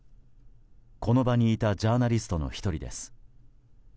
この場にいたジャーナリストの１人です。